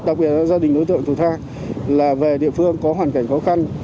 đặc biệt là gia đình đối tượng tuổi tha là về địa phương có hoàn cảnh khó khăn